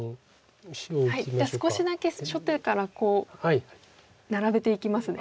じゃあ少しだけ初手から並べていきますね。